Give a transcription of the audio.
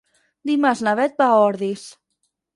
Dimarts na Beth va a Ordis.